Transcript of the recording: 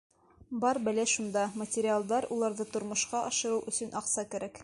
Бар бәлә шунда: материалдар, уларҙы тормошҡа ашырыу өсөн аҡса кәрәк.